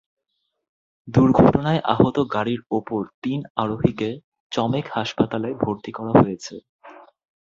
দুর্ঘটনায় আহত গাড়ির অপর তিন আরোহীকে চমেক হাসপাতালে ভর্তি করা হয়েছে।